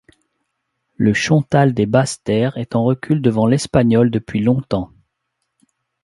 Le chontal des basses terres est en recul devant l'espagnol depuis longtemps.